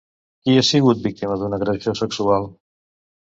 Qui ha sigut víctima d'una agressió sexual?